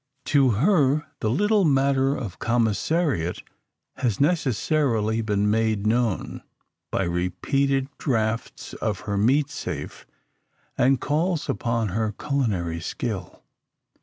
To her the little matter of commissariat has necessarily been made known, by repeated drafts on her meat safe, and calls upon her culinary skill.